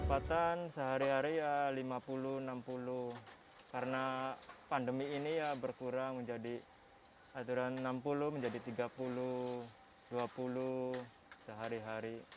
pendapatan sehari hari ya lima puluh enam puluh karena pandemi ini ya berkurang menjadi aturan enam puluh menjadi tiga puluh dua puluh sehari hari